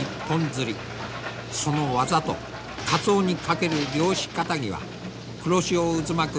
その技とカツオに懸ける漁師かたぎは黒潮渦巻く